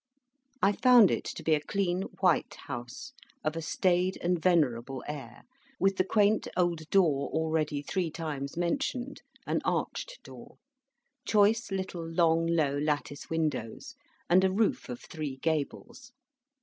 I found it to be a clean white house, of a staid and venerable air, with the quaint old door already three times mentioned (an arched door), choice little long low lattice windows, and a roof of three gables.